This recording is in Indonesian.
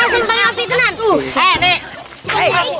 kita sentang hati tenan